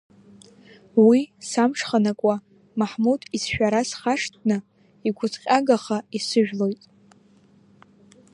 Уи самҽханакуа, Маҳмуҭ ицәшәара схашҭны, игәыҭҟьагаха исыжәлоит.